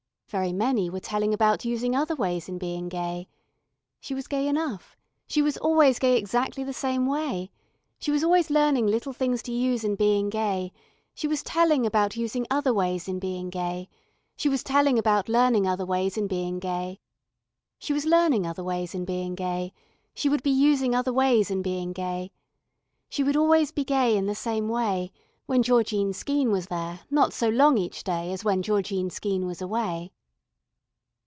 Very many were telling about using other ways in being gay. She was gay enough, she was always gay exactly the same way, she was always learning little things to use in being gay, she was telling about using other ways in being gay, she was telling about learning other ways in being gay, she was learning other ways in being gay, she would be using other ways in being gay, she would always be gay in the same way, when Georgine Skeene was there not so long each day as when Georgine Skeene was away.